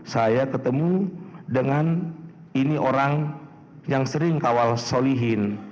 saya ketemu dengan ini orang yang sering kawal solihin